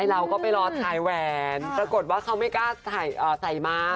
เราก็ไปรอถ่ายแหวนปรากฏว่าเขาไม่กล้าใส่มา